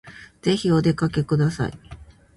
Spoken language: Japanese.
ぜひお出かけください